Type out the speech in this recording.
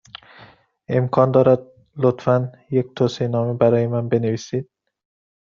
امکان دارد، لطفا، یک توصیه نامه برای من بنویسید؟